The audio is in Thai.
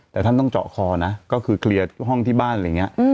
แต่ท่านต้องเจาะคอนะก็คือเคลียร์ห้องที่บ้านอะไรอย่างนี้